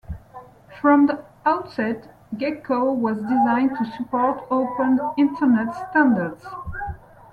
From the outset, Gecko was designed to support open Internet standards.